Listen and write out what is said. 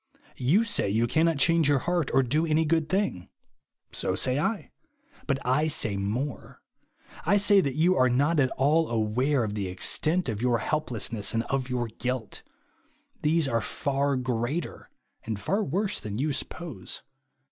You say you cannot change your heart or do any good thing. So say I. But I say more. I say that you are not at all aware of the extent of 3^our helplessness and of your guilt. These are far greater and far Avorse than you suppose.